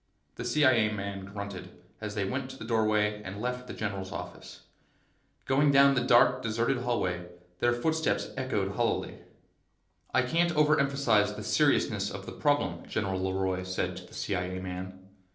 The CIA man grunted as they went to the doorway and left the general's office. Going down the dark, deserted hallway, their footsteps echoed hollowly. "I can't overemphasize the seriousness of the problem," General LeRoy said to the CIA man.